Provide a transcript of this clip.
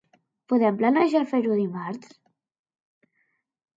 Podem planejar fer-ho dimarts?